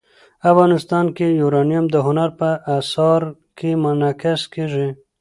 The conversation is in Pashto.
افغانستان کې یورانیم د هنر په اثار کې منعکس کېږي.